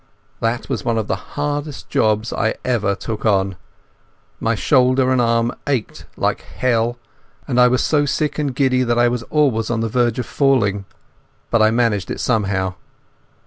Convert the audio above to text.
That was one of the hardest jobs I ever took on. My shoulder and arm ached like hell, and I was so sick and giddy that I was always on the verge of falling. But I managed it somehow.